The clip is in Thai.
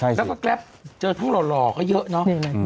ใช่สิแล้วก็แกรปเจอทั้งหล่อก็เยอะเนอะจริง